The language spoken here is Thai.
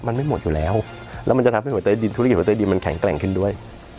มันไม่หมดอยู่แล้วแล้วมันจะทำให้หัวใจดินธุรกิจหัวใจดินมันแข็งแกร่งขึ้นด้วย